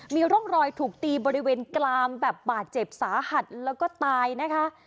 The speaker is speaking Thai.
มีร่องรอยถูกตีบริเวณกลามแบบบาดเจ็บสาหัสแล้วก็ตายนะคะ